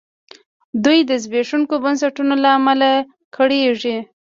دوی د زبېښونکو بنسټونو له امله کړېږي.